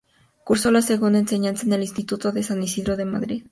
Cursó la segunda enseñanza en el Instituto de San Isidro de Madrid.